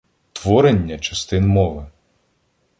Творення частин мови